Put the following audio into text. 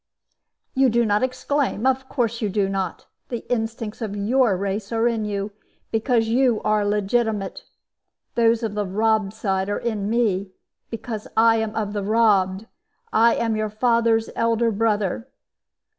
"You do not exclaim of course you do not. The instincts of your race are in you, because you are legitimate. Those of the robbed side are in me, because I am of the robbed. I am your father's elder brother.